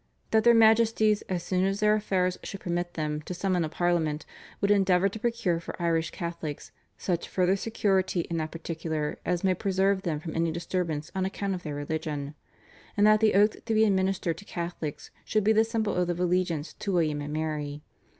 that their Majesties as soon as their affairs should permit them to summon a Parliament would endeavour to procure for Irish Catholics "such further security in that particular as may preserve them from any disturbance upon account of their religion;" and that the oath to be administered to Catholics should be the simple oath of allegiance to William and Mary.